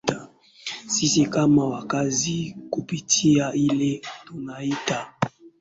sisi kama wakaazi kupitia ile tunaita